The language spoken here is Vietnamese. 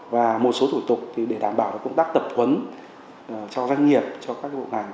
và một số thủ tục để đảm bảo công tác tập huấn cho doanh nghiệp cho các bộ ngành